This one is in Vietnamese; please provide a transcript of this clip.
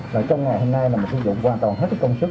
và trong ngày hôm nay là mình sử dụng hoàn toàn hết cái công sức